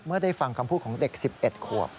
ได้ฟังคำพูดของเด็ก๑๑ขวบ